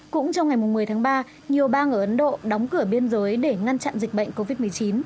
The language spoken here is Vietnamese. cũng trong ngày một mươi tháng ba nhiều bang ở ấn độ đóng cửa biên giới để ngăn chặn dịch bệnh covid một mươi chín